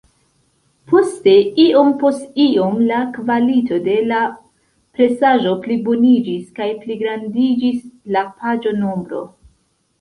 Poste, iom-post-iom la kvalito de la presaĵo pliboniĝis, kaj pligrandiĝis la paĝo-nombro.